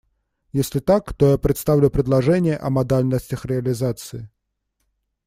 Если так, то я представлю предложение о модальностях реализации.